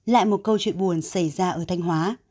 lại một câu chuyện buồn xảy ra ở thanh hóa